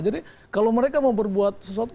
jadi kalau mereka mau berbuat sesuatu